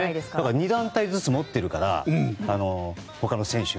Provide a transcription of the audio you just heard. ２団体ずつ持っているから他の選手が。